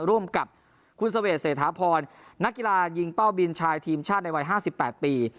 ร่วมกับคุณเสวดเศรษฐาพรนักกีฬายิงเป้าบินชายทีมชาติในวัย๕๘ปี